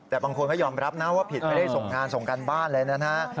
แต่บางคนก็ยอมรับนะว่าผิดไม่ได้ส่งงานส่งการบ้านเลยนะฮะ